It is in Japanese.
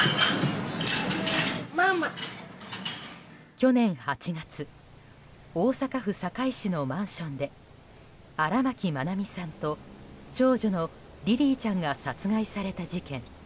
去年８月大阪府堺市のマンションで荒牧愛美さんと長女のリリィちゃんが殺害された事件。